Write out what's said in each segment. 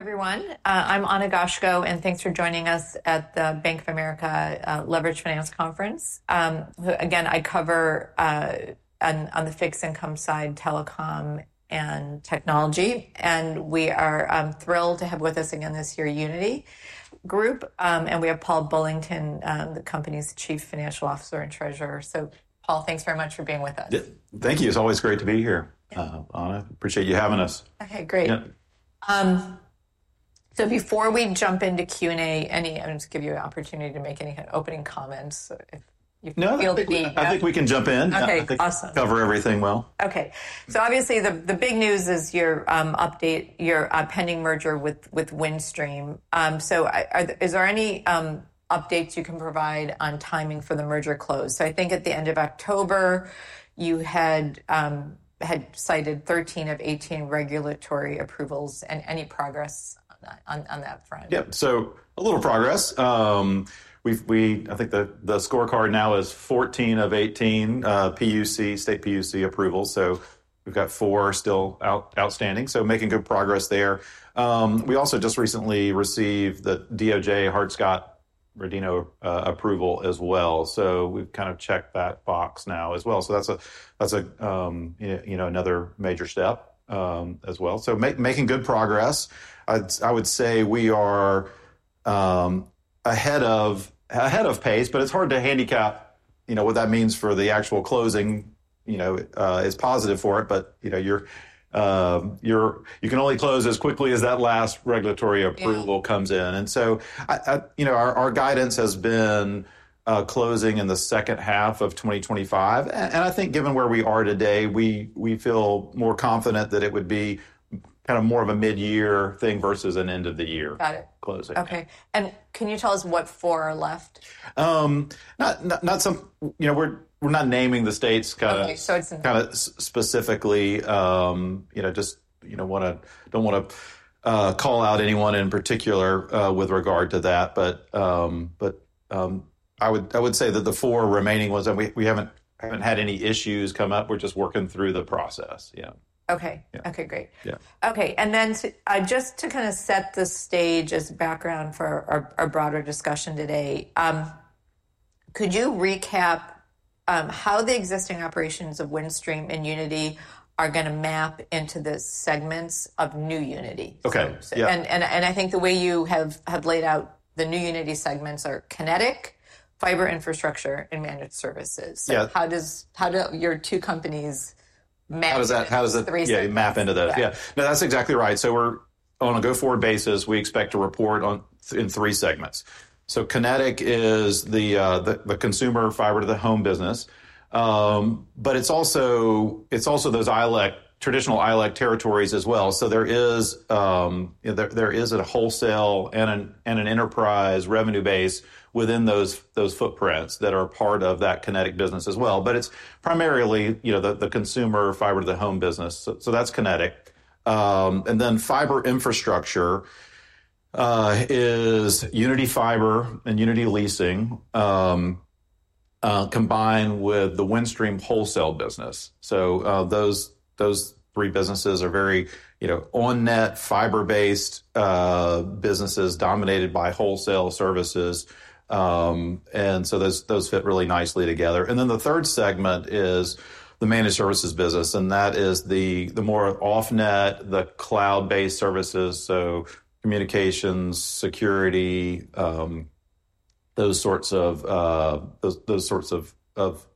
Everyone, I'm Ana Goshko, and thanks for joining us at the Bank of America Leveraged Finance Conference. Again, I cover on the fixed income side, telecom and technology, and we are thrilled to have with us again this year Uniti Group, and we have Paul Bullington, the company's Chief Financial Officer and Treasurer. So, Paul, thanks very much for being with us. Thank you. It's always great to be here, Ana. Appreciate you having us. Okay, great. So before we jump into Q&A, I'm just going to give you an opportunity to make any opening comments. No, I think we can jump in. Okay, awesome. I think we cover everything well. Okay. Obviously, the big news is your update, your pending merger with Windstream. Are there any updates you can provide on timing for the merger close? I think at the end of October, you had cited 13 of 18 regulatory approvals and any progress on that front. Yep, so a little progress. I think the scorecard now is 14 of 18 state PUC approvals, so we've got four still outstanding, so making good progress there. We also just recently received the DOJ Hart-Scott-Rodino approval as well, so we've kind of checked that box now as well, so that's another major step as well, so making good progress. I would say we are ahead of pace, but it's hard to handicap what that means for the actual closing is positive for it, but you can only close as quickly as that last regulatory approval comes in, and so our guidance has been closing in the 2nd half of 2025, and I think given where we are today, we feel more confident that it would be kind of more of a mid-year thing versus an end of the year closing. Got it. Okay. And can you tell us what four are left? We're not naming the states kind of specifically. I don't want to call out anyone in particular with regard to that. But I would say that the four remaining ones, we haven't had any issues come up. We're just working through the process. Yeah. And then just to kind of set the stage as background for our broader discussion today, could you recap how the existing operations of Windstream and Uniti are going to map into the segments of new Uniti? Okay. And I think the way you have laid out the new Uniti segments are Kinetic, fiber infrastructure, and Managed Services. So how do your two companies map into the three segments? How does that map into that? Yeah. No, that's exactly right. So on a go-forward basis, we expect to report in three segments. So Kinetic is the consumer fiber to the home business, but it's also those traditional ILEC territories as well. So there is a wholesale and an enterprise revenue base within those footprints that are part of that Kinetic business as well. But it's primarily the consumer fiber to the home business. So that's Kinetic. And then fiber infrastructure is Uniti Fiber and Uniti Leasing combined with the Windstream Wholesale business. So those three businesses are very on-net, fiber-based businesses dominated by wholesale services. And so those fit really nicely together. And then the third segment is the Managed Services business, and that is the more off-net, the cloud-based services. So communications, security, those sorts of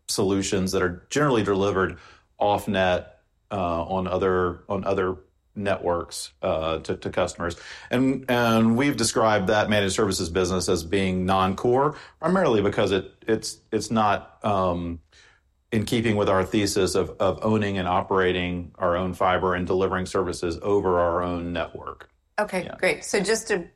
solutions that are generally delivered off-net on other networks to customers. We've described that Managed Services business as being non-core, primarily because it's not in keeping with our thesis of owning and operating our own fiber and delivering services over our own network. Okay, great. So just to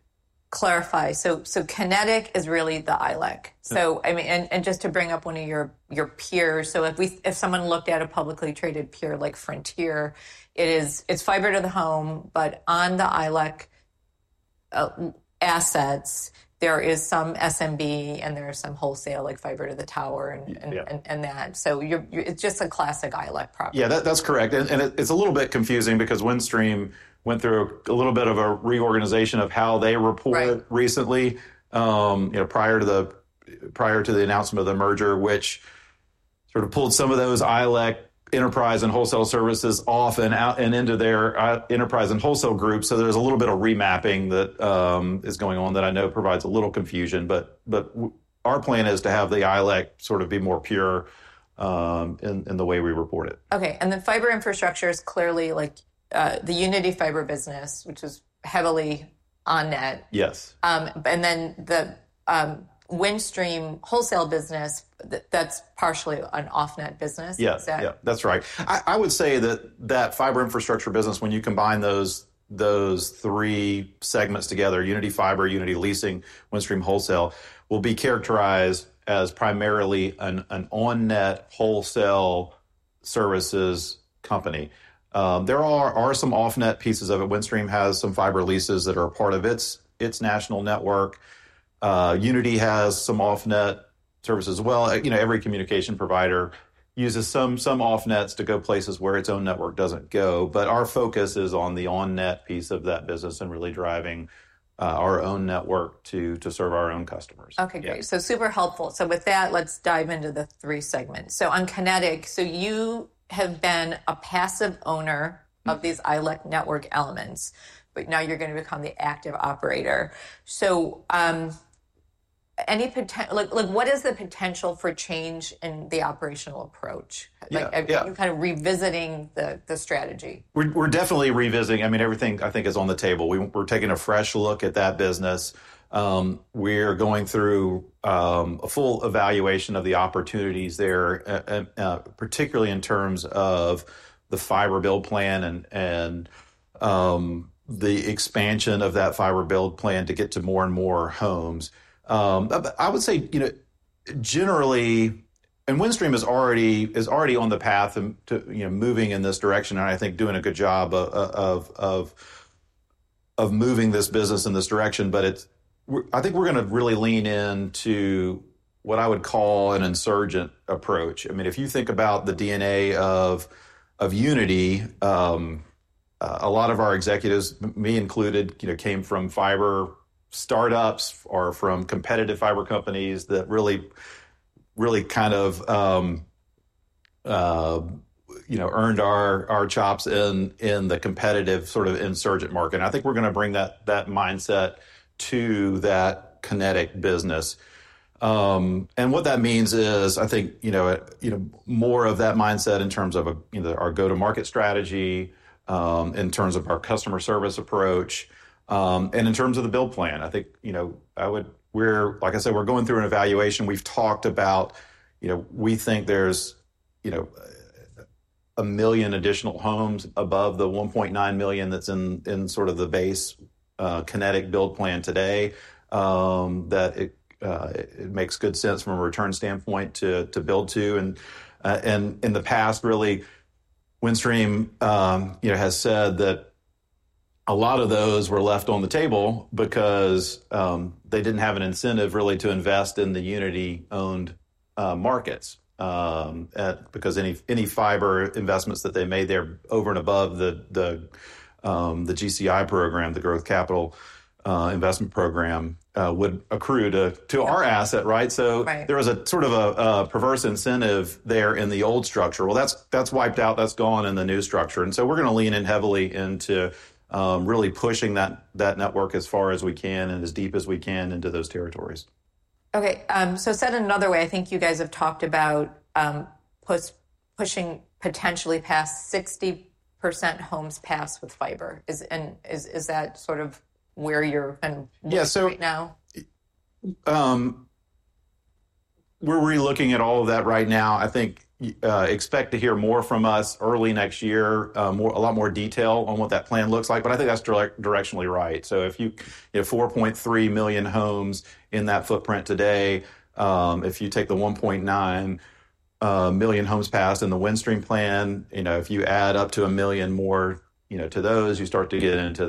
clarify, so Kinetic is really the ILEC. And just to bring up one of your peers, so if someone looked at a publicly traded peer like Frontier, it's fiber to the home, but on the ILEC assets, there is some SMB and there are some wholesale like fiber to the tower and that. So it's just a classic ILEC problem. Yeah, that's correct. And it's a little bit confusing because Windstream went through a little bit of a reorganization of how they report recently prior to the announcement of the merger, which sort of pulled some of those ILEC enterprise and wholesale services off and into their enterprise and wholesale group. So there's a little bit of remapping that is going on that I know provides a little confusion, but our plan is to have the ILEC sort of be more pure in the way we report it. Okay. And the fiber infrastructure is clearly the Uniti Fiber business, which is heavily on-net. Yes. And then the Windstream Wholesale business, that's partially an off-net business. Yeah, that's right. I would say that that fiber infrastructure business, when you combine those three segments together, Uniti Fiber, Uniti Leasing, Windstream Wholesale, will be characterized as primarily an on-net wholesale services company. There are some off-net pieces of it. Windstream has some fiber leases that are a part of its national network. Uniti has some off-net services as well. Every communication provider uses some off-nets to go places where its own network doesn't go. But our focus is on the on-net piece of that business and really driving our own network to serve our own customers. Okay, great. So super helpful. So with that, let's dive into the three segments. So on Kinetic, so you have been a passive owner of these ILEC network elements, but now you're going to become the active operator. So what is the potential for change in the operational approach? You're kind of revisiting the strategy. We're definitely revisiting. I mean, everything I think is on the table. We're taking a fresh look at that business. We're going through a full evaluation of the opportunities there, particularly in terms of the fiber build plan and the expansion of that fiber build plan to get to more and more homes. I would say generally, and Windstream is already on the path to moving in this direction and I think doing a good job of moving this business in this direction, but I think we're going to really lean into what I would call an insurgent approach. I mean, if you think about the DNA of Uniti, a lot of our executives, me included, came from fiber startups or from competitive fiber companies that really kind of earned our jobs in the competitive sort of insurgent market. I think we're going to bring that mindset to that Kinetic business. What that means is I think more of that mindset in terms of our go-to-market strategy, in terms of our customer service approach, and in terms of the build plan. I think, like I said, we're going through an evaluation. We've talked about we think there's 1 million additional homes above the 1.9 million that's in sort of the base Kinetic build plan today that it makes good sense from a return standpoint to build to. In the past, really, Windstream has said that a lot of those were left on the table because they didn't have an incentive really to invest in the Uniti-owned markets because any fiber investments that they made there over and above the GCI program, the Growth Capital Investment program, would accrue to our asset, right? So there was a sort of a perverse incentive there in the old structure. Well, that's wiped out. That's gone in the new structure. And so we're going to lean in heavily into really pushing that network as far as we can and as deep as we can into those territories. Okay. So said in another way, I think you guys have talked about pushing potentially past 60% homes passed with fiber. Is that sort of where you're kind of looking at right now? Yeah. So we're really looking at all of that right now. I think expect to hear more from us early next year, a lot more detail on what that plan looks like, but I think that's directionally right. So if you have 4.3 million homes in that footprint today, if you take the 1.9 million homes passed in the Windstream plan, if you add up to a million more to those, you start to get into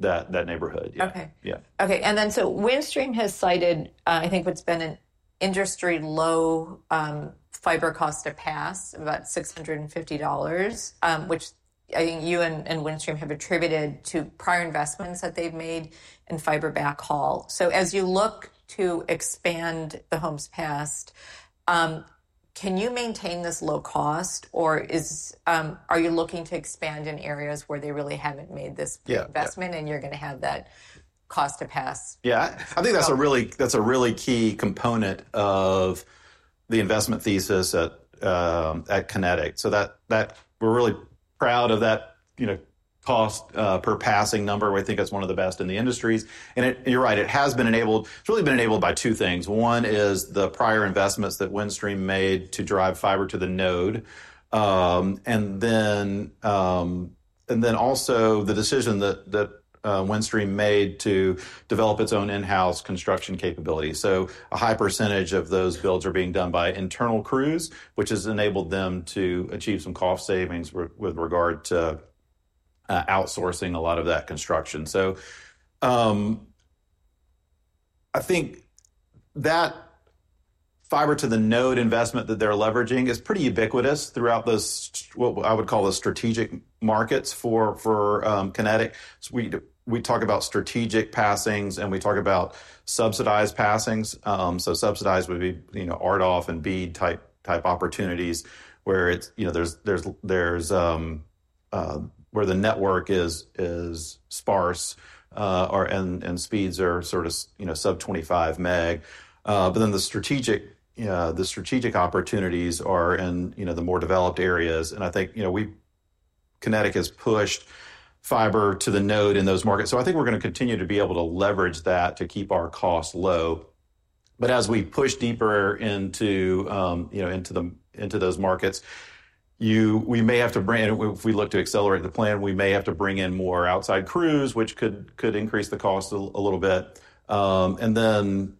that neighborhood. Windstream has cited, I think it's been an industry-low fiber cost to pass, about $650, which I think you and Windstream have attributed to prior investments that they've made in fiber backhaul. As you look to expand the homes passed, can you maintain this low cost, or are you looking to expand in areas where they really haven't made this investment and you're going to have that cost to pass? Yeah. I think that's a really key component of the investment thesis at Kinetic. So we're really proud of that cost per passing number. We think it's one of the best in the industries. And you're right, it has been enabled. It's really been enabled by two things. One is the prior investments that Windstream made to drive fiber to the node. And then also the decision that Windstream made to develop its own in-house construction capability. So a high percentage of those builds are being done by internal crews, which has enabled them to achieve some cost savings with regard to outsourcing a lot of that construction. So I think that fiber to the node investment that they're leveraging is pretty ubiquitous throughout those, what I would call the strategic markets for Kinetic. We talk about strategic passings and we talk about subsidized passings. So subsidized would be RDoF and BEAD type opportunities where the network is sparse and speeds are sort of sub-25 meg. But then the strategic opportunities are in the more developed areas. And I think Kinetic has pushed fiber to the node in those markets. So I think we're going to continue to be able to leverage that to keep our costs low. But as we push deeper into those markets, we may have to, if we look to accelerate the plan, we may have to bring in more outside crews, which could increase the cost a little bit. And then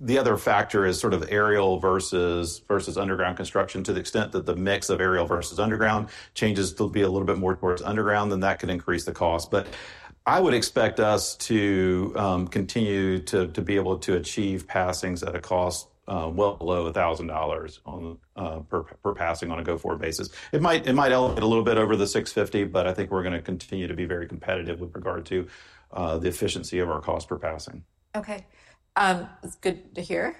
the other factor is sort of aerial versus underground construction to the extent that the mix of aerial versus underground changes to be a little bit more towards underground, then that can increase the cost. But I would expect us to continue to be able to achieve passings at a cost well below $1,000 per passing on a go-forward basis. It might elevate a little bit over the $650, but I think we're going to continue to be very competitive with regard to the efficiency of our cost per passing. Okay. That's good to hear.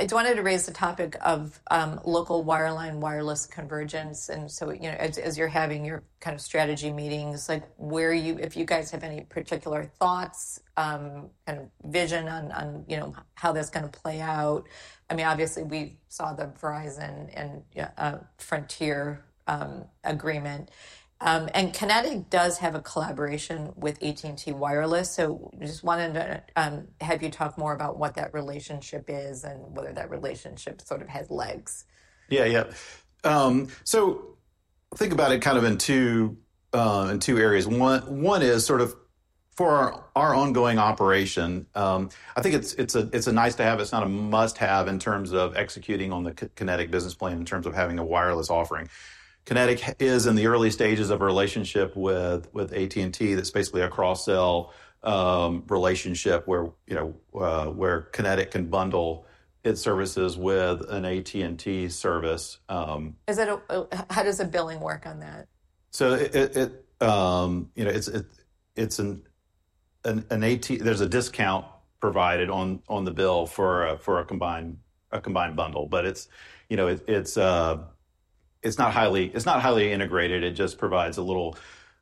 I just wanted to raise the topic of local wireline wireless convergence. And so as you're having your kind of strategy meetings, if you guys have any particular thoughts, kind of vision on how this is going to play out. I mean, obviously, we saw the Verizon and Frontier agreement. And Kinetic does have a collaboration with AT&T Wireless. So I just wanted to have you talk more about what that relationship is and whether that relationship sort of has legs. Yeah, yeah. So think about it kind of in two areas. One is sort of for our ongoing operation. I think it's a nice-to-have. It's not a must-have in terms of executing on the Kinetic business plan in terms of having a wireless offering. Kinetic is in the early stages of a relationship with AT&T. That's basically a cross-sell relationship where Kinetic can bundle its services with an AT&T service. How does the billing work on that? There's a discount provided on the bill for a combined bundle, but it's not highly integrated. It just provides a little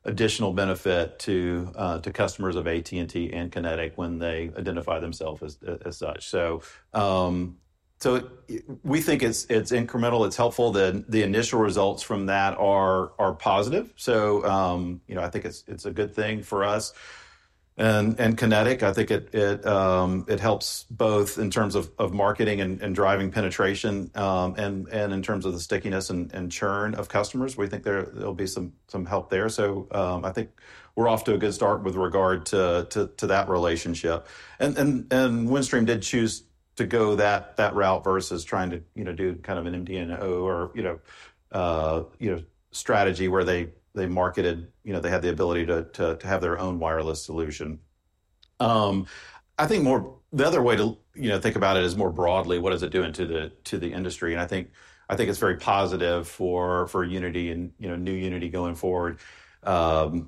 additional benefit to customers of AT&T and Kinetic when they identify themselves as such. We think it's incremental. It's helpful that the initial results from that are positive. I think it's a good thing for us. And Kinetic, I think it helps both in terms of marketing and driving penetration and in terms of the stickiness and churn of customers. We think there'll be some help there. I think we're off to a good start with regard to that relationship. And Windstream did choose to go that route versus trying to do kind of an MVNO strategy where they marketed, they had the ability to have their own wireless solution. I think the other way to think about it is more broadly, what is it doing to the industry? I think it's very positive for Uniti and new Uniti going forward. We're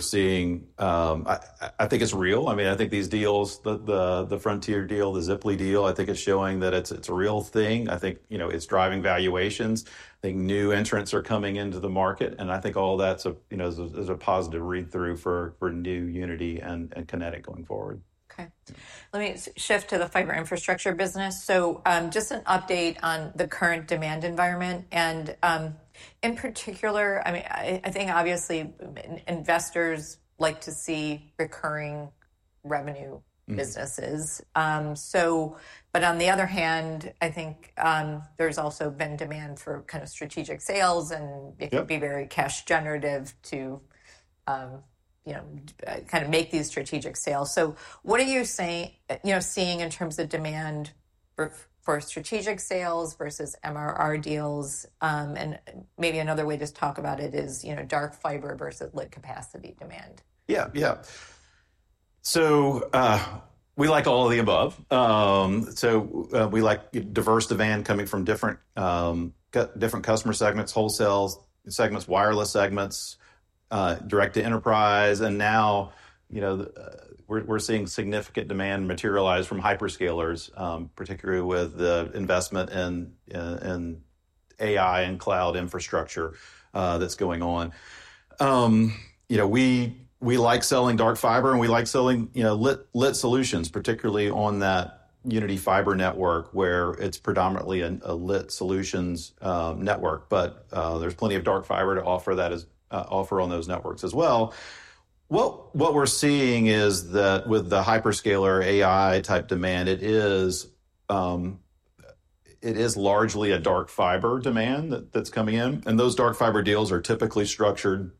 seeing. I think it's real. I mean, I think these deals, the Frontier deal, the Ziply deal, I think it's showing that it's a real thing. I think it's driving valuations. I think new entrants are coming into the market. I think all that is a positive read-through for new Uniti and Kinetic going forward. Okay. Let me shift to the fiber infrastructure business, so just an update on the current demand environment, and in particular, I mean, I think obviously investors like to see recurring revenue businesses, but on the other hand, I think there's also been demand for kind of strategic sales, and it could be very cash generative to kind of make these strategic sales, so what are you seeing in terms of demand for strategic sales versus MRR deals, and maybe another way to talk about it is dark fiber versus lit capacity demand. Yeah, yeah. So we like all of the above. So we like diverse demand coming from different customer segments, wholesale segments, wireless segments, direct-to-enterprise. And now we're seeing significant demand materialize from hyperscalers, particularly with the investment in AI and cloud infrastructure that's going on. We like selling dark fiber and we like selling lit solutions, particularly on that Uniti Fiber network where it's predominantly a lit solutions network, but there's plenty of dark fiber to offer on those networks as well. What we're seeing is that with the hyperscaler AI type demand, it is largely a dark fiber demand that's coming in. And those dark fiber deals are typically structured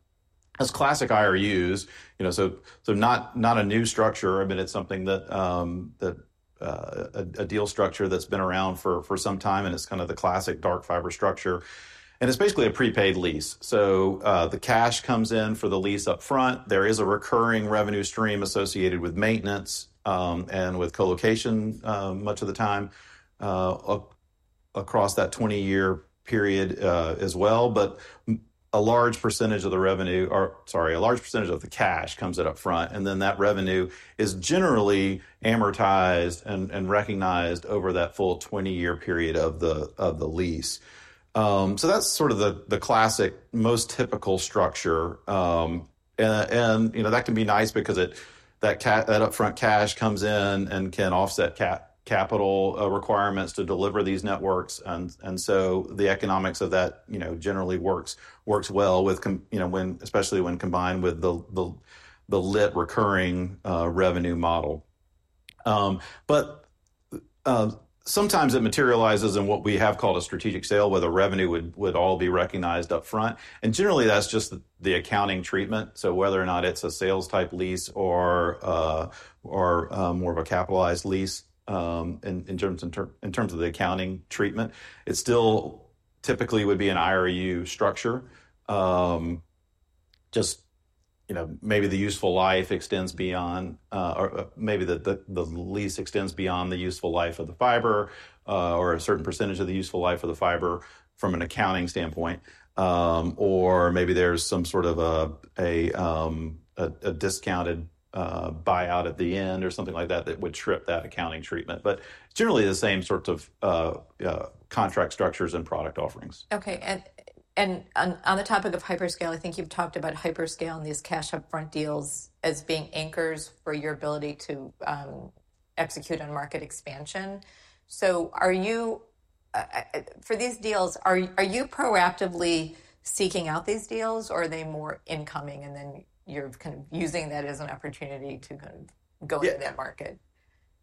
as classic IRUs. So not a new structure. I mean, it's something that a deal structure that's been around for some time and it's kind of the classic dark fiber structure. And it's basically a prepaid lease. So the cash comes in for the lease upfront. There is a recurring revenue stream associated with maintenance and with colocation much of the time across that 20-year period as well. But a large percentage of the revenue, or sorry, a large percentage of the cash comes in upfront. And then that revenue is generally amortized and recognized over that full 20-year period of the lease. So that's sort of the classic, most typical structure. And that can be nice because that upfront cash comes in and can offset capital requirements to deliver these networks. And so the economics of that generally works well with, especially when combined with the lit recurring revenue model. But sometimes it materializes in what we have called a strategic sale where the revenue would all be recognized upfront. And generally, that's just the accounting treatment. So whether or not it's a sales-type lease or more of a capitalized lease in terms of the accounting treatment, it still typically would be an IRU structure. Just maybe the useful life extends beyond, or maybe the lease extends beyond the useful life of the fiber or a certain percentage of the useful life of the fiber from an accounting standpoint. Or maybe there's some sort of a discounted buyout at the end or something like that that would trip that accounting treatment. But it's generally the same sorts of contract structures and product offerings. Okay. And on the topic of hyperscaler, I think you've talked about hyperscaler and these cash upfront deals as being anchors for your ability to execute on market expansion. So for these deals, are you proactively seeking out these deals or are they more incoming and then you're kind of using that as an opportunity to kind of go into that market?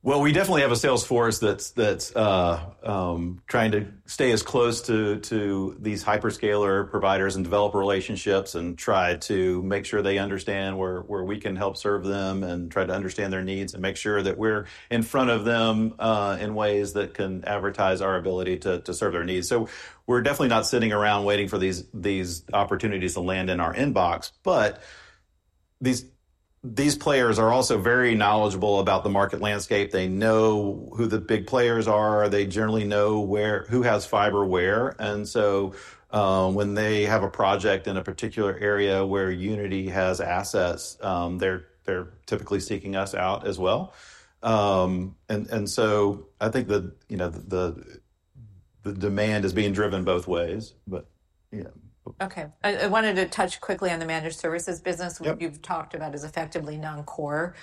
We definitely have a sales force that's trying to stay as close to these hyperscaler providers and develop relationships and try to make sure they understand where we can help serve them and try to understand their needs and make sure that we're in front of them in ways that can advertise our ability to serve their needs. We're definitely not sitting around waiting for these opportunities to land in our inbox. These players are also very knowledgeable about the market landscape. They know who the big players are. They generally know who has fiber where. When they have a project in a particular area where Uniti has assets, they're seeking us out as well. I think the demand is being driven both ways. Okay. I wanted to touch quickly on the Managed Services business. What you've talked about is effectively non-core.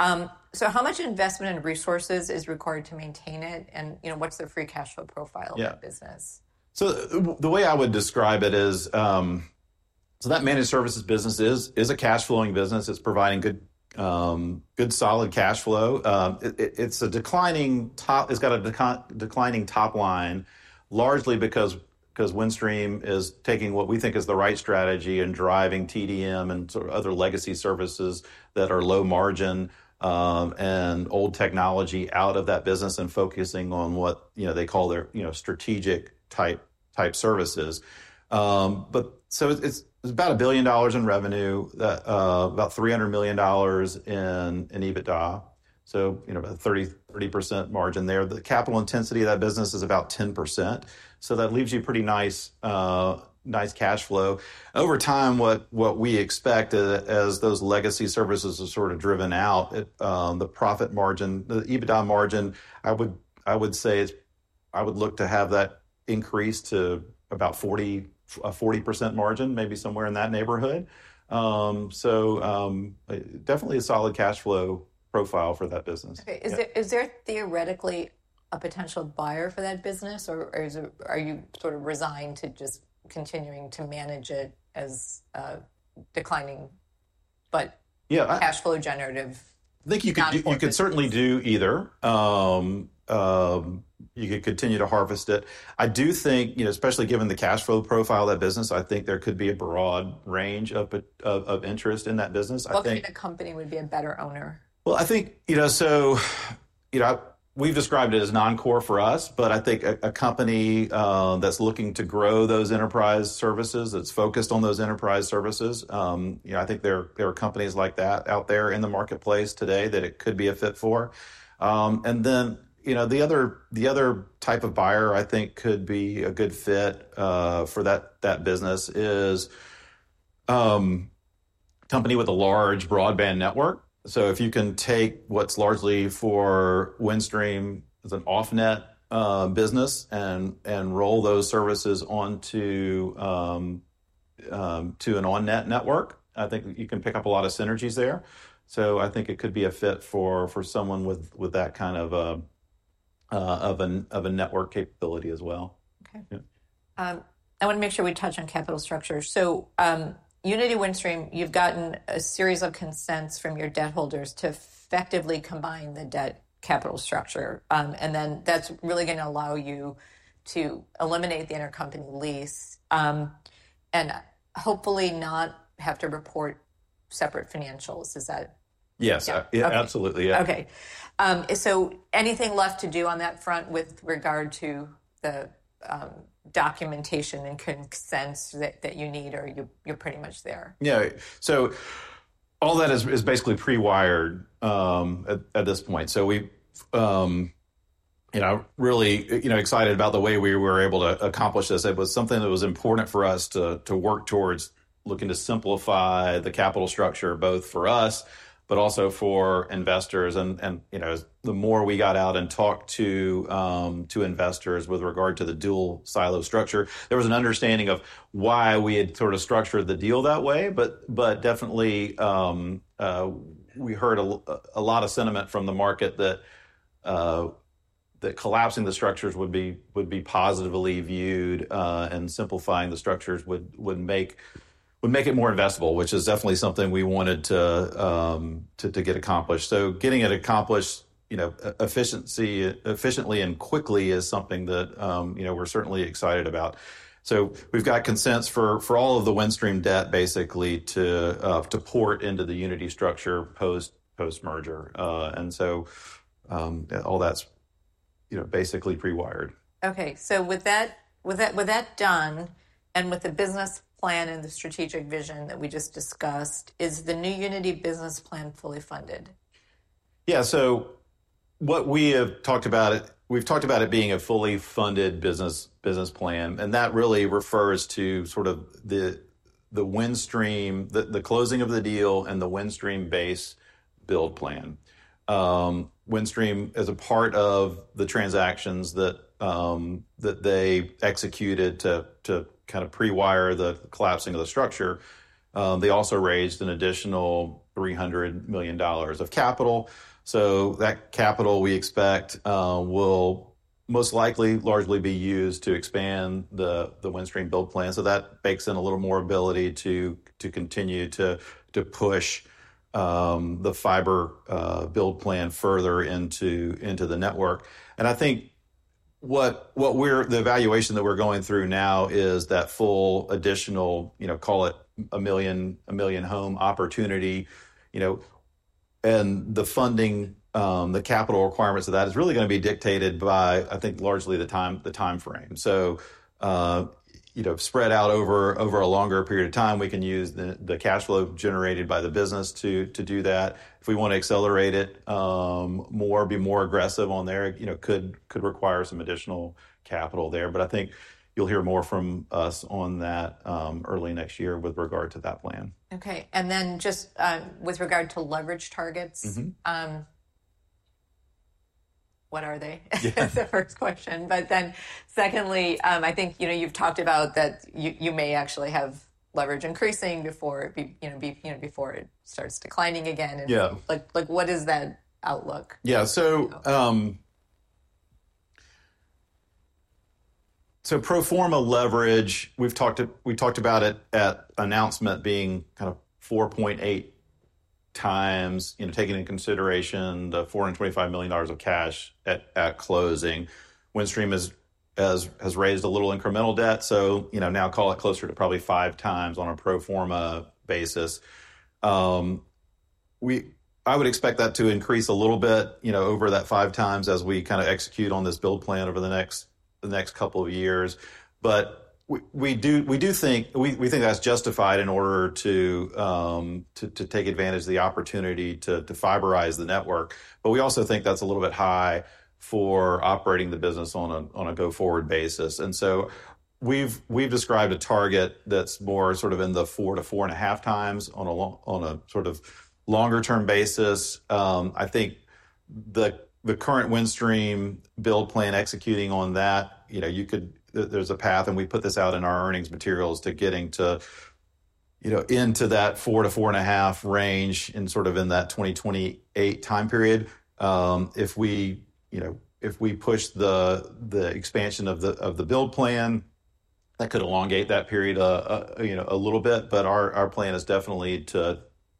So how much investment and resources is required to maintain it? And what's the free cash flow profile of that business? So the way I would describe it is, so that Managed Services business is a cash flowing business. It's providing good solid cash flow. It's got a declining top line largely because Windstream is taking what we think is the right strategy and driving TDM and sort of other legacy services that are low margin and old technology out of that business and focusing on what they call their strategic type services. So it's about $1 billion in revenue, about $300 million in EBITDA. So about 30% margin there. The capital intensity of that business is about 10%. So that leaves you pretty nice cash flow. Over time, what we expect is as those legacy services are sort of driven out, the profit margin, the EBITDA margin, I would say I would look to have that increase to about 40% margin, maybe somewhere in that neighborhood. Definitely a solid cash flow profile for that business. Okay. Is there theoretically a potential buyer for that business or are you sort of resigned to just continuing to manage it as declining, but cash flow generative? I think you could certainly do either. You could continue to harvest it. I do think, especially given the cash flow profile of that business, I think there could be a broad range of interest in that business. What kind of company would be a better owner? I think so we've described it as non-core for us, but I think a company that's looking to grow those enterprise services, that's focused on those enterprise services. I think there are companies like that out there in the marketplace today that it could be a fit for. The other type of buyer I think could be a good fit for that business is a company with a large broadband network. If you can take what's largely for Windstream as an off-net business and roll those services onto an on-net network, I think you can pick up a lot of synergies there. I think it could be a fit for someone with that kind of a network capability as well. Okay. I want to make sure we touch on capital structure. So Uniti-Windstream, you've gotten a series of consents from your debt holders to effectively combine the debt capital structure. And then that's really going to allow you to eliminate the inter-company lease and hopefully not have to report separate financials. Is that? Yes. Absolutely. Yeah. Okay. So anything left to do on that front with regard to the documentation and consents that you need or you're pretty much there? Yeah. So all that is basically pre-wired at this point. So I'm really excited about the way we were able to accomplish this. It was something that was important for us to work towards looking to simplify the capital structure both for us, but also for investors. And the more we got out and talked to investors with regard to the dual silo structure, there was an understanding of why we had sort of structured the deal that way. But definitely we heard a lot of sentiment from the market that collapsing the structures would be positively viewed and simplifying the structures would make it more investable, which is definitely something we wanted to get accomplished. So getting it accomplished efficiently and quickly is something that we're certainly excited about. So we've got consents for all of the Windstream debt basically to port into the Uniti structure post-merger. All that's basically pre-wired. Okay. So with that done and with the business plan and the strategic vision that we just discussed, is the new Uniti business plan fully funded? Yeah. So what we have talked about, we've talked about it being a fully funded business plan. And that really refers to sort of the Windstream, the closing of the deal and the Windstream base build plan. Windstream, as a part of the transactions that they executed to kind of pre-wired the collapsing of the structure, they also raised an additional $300 million of capital. So that capital we expect will most likely largely be used to expand the Windstream build plan. So that bakes in a little more ability to continue to push the fiber build plan further into the network. And I think the valuation that we're going through now is that full additional, call it a million home opportunity. And the funding, the capital requirements of that is really going to be dictated by, I think, largely the timeframe. So spread out over a longer period of time, we can use the cash flow generated by the business to do that. If we want to accelerate it more, be more aggressive on there, could require some additional capital there. But I think you'll hear more from us on that early next year with regard to that plan. Okay. And then just with regard to leverage targets, what are they? That's the first question. But then secondly, I think you've talked about that you may actually have leverage increasing before it starts declining again. What is that outlook? Yeah, so pro forma leverage we've talked about it at announcement being kind of 4.8x taking into consideration the $425 million of cash at closing. Windstream has raised a little incremental debt, so now call it closer to probably 5x on a pro forma basis. I would expect that to increase a little bit over that 5x as we kind of execute on this build plan over the next couple of years, but we do think that's justified in order to take advantage of the opportunity to fiberize the network, but we also think that's a little bit high for operating the business on a go-forward basis, and so we've described a target that's more sort of in the four to 4x to 4.5x on a sort of longer-term basis. I think the current Windstream build plan executing on that, there's a path, and we put this out in our earnings materials to getting into that 4x to 4.5x range in sort of that 2028 time period. If we push the expansion of the build plan, that could elongate that period a little bit. But our plan is definitely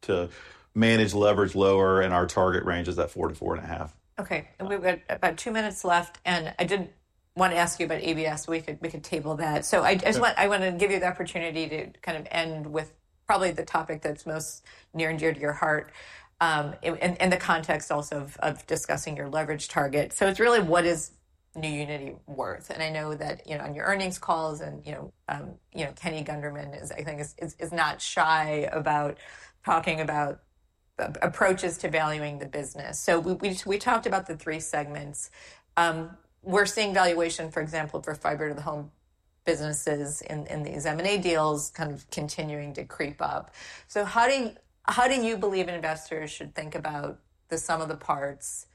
to manage leverage lower and our target range is that 4x to 4.5x. Okay. And we've got about two minutes left. And I did want to ask you about EBS; we could table that. So I want to give you the opportunity to kind of end with probably the topic that's most near and dear to your heart and the context also of discussing your leverage target. So it's really what is new Uniti worth? And I know that on your earnings calls and Kenny Gunderman, I think, is not shy about talking about approaches to valuing the business. So we talked about the three segments. We're seeing valuation, for example, for fiber to the home businesses in these M&A deals kind of continuing to creep up. So how do you believe investors should think about the sum of the parts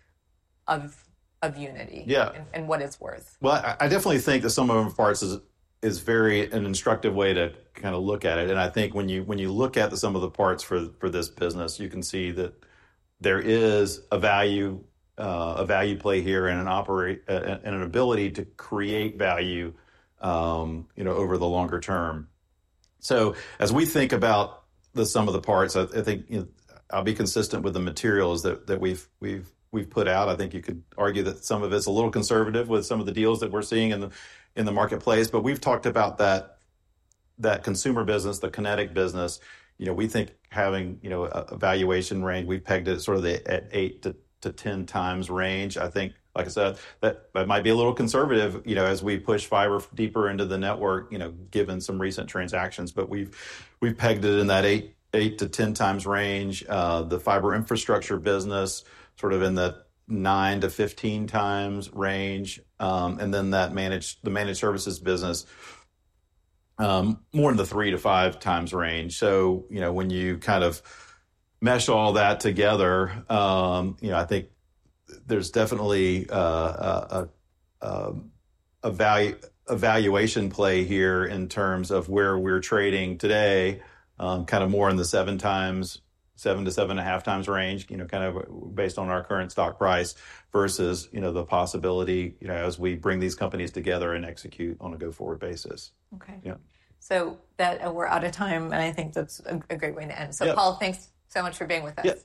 of Uniti and what it's worth? Yeah. Well, I definitely think the sum of the parts is an instructive way to kind of look at it. And I think when you look at the sum of the parts for this business, you can see that there is a value play here and an ability to create value over the longer term. So as we think about the sum of the parts, I think I'll be consistent with the materials that we've put out. I think you could argue that some of it's a little conservative with some of the deals that we're seeing in the marketplace. But we've talked about that consumer business, the Kinetic business. We think having a valuation range, we've pegged it sort of at 8x to 10x range. I think, like I said, that might be a little conservative as we push fiber deeper into the network given some recent transactions. But we've pegged it in that 8x to 10x range. The fiber infrastructure business sort of in the 9x to 15x range. And then the Managed Services business, more in the 3x to 5x range. So when you kind of mesh all that together, I think there's definitely a valuation play here in terms of where we're trading today, kind of more in the 7x, 7x to 7.5x range, kind of based on our current stock price versus the possibility as we bring these companies together and execute on a go-forward basis. Okay. So we're out of time. And I think that's a great way to end. So Paul, thanks so much for being with us.